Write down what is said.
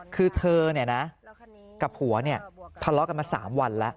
คือเธอเนี่ยนะกับผัวเนี่ยทะเลาะกันมา๓วันแล้ว